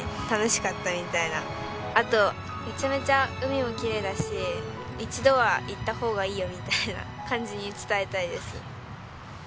あとめちゃめちゃ海もきれいだし一度は行った方がいいよみたいな感じに伝えたいです。